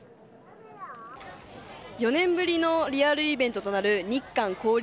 ４年ぶりのリアルイベントとなる日韓交流